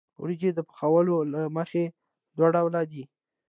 وریجې د پخولو له مخې دوه ډوله دي.